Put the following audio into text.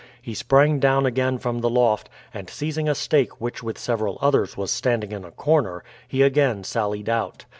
He sprang down again from the loft, and seizing a stake which with several others was standing in a corner, he again sallied out.